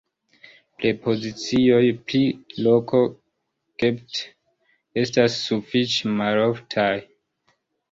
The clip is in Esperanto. Prepozicioj pri loko ktp estas sufiĉe maloftaj.